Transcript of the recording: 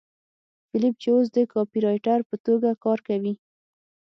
فیلیپ چې اوس د کاپيرایټر په توګه کار کوي